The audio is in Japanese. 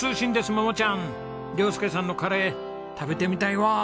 桃ちゃん亮佑さんのカレー食べてみたいわ。